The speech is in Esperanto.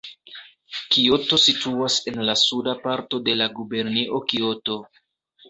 Kioto situas en la suda parto de la gubernio Kioto.